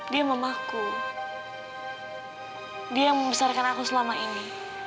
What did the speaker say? dia memaku dia yang membesarkan aku selama ini